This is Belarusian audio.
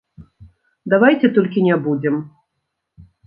Давайце толькі не будзем!